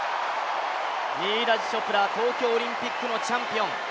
ニーラジ・チョプラ、東京オリンピックのチャンピオン。